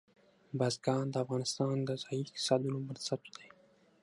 بزګان د افغانستان د ځایي اقتصادونو بنسټ دی.